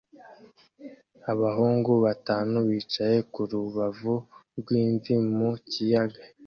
Abahungu batanu bicaye ku rubavu rw'imvi mu kiyaga